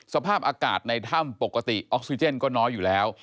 สภาพอากาศในถ้ำปกติออกซิเจนก็น้อยอยู่แล้ว